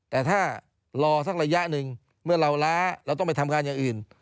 แต่ถ้ารอสักระยะหนึ่งเมื่อเราล้าเราต้องไปทำงานอย่างอื่น